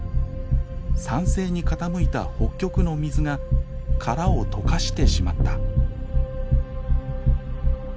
酸性に傾いた北極の水が殻を溶かしてしまった。